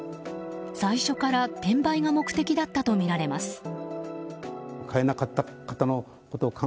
最初から転売が目的だったとみられます。